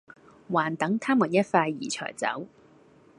還等她們一塊兒才走